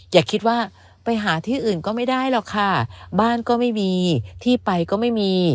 อย่าคิดว่าไปหาที่อื่นก็ไม่ได้หรอกค่ะบ้านก็ไม่มีที่ไปก็ไม่มี